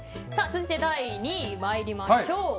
続いて第２位、参りましょう。